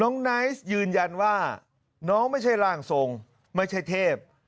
ไนท์ยืนยันว่าน้องไม่ใช่ร่างทรงไม่ใช่เทพ